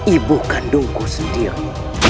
ibu kandungku sendiri